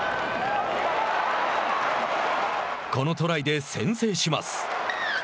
このトライで先制します。